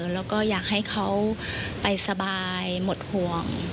แล้วก็อยากให้เขาไปสบายหมดห่วง